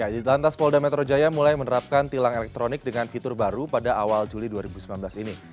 di lantas polda metro jaya mulai menerapkan tilang elektronik dengan fitur baru pada awal juli dua ribu sembilan belas ini